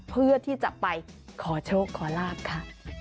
เพื่อที่จะไปขอโชคขอลาบค่ะ